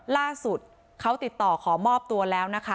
ล่าสุดเขาติดต่อขอมอบตัวแล้วนะคะ